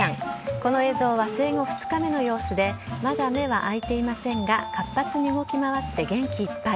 この映像は生後２日目の様子で、まだ目は開いていませんが、活発に動き回って元気いっぱい。